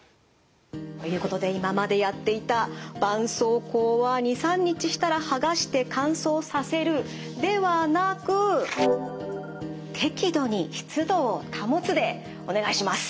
ということで今までやっていた「ばんそうこうは２３日したらはがして乾燥させる」ではなく「適度に湿度を保つ」でお願いします。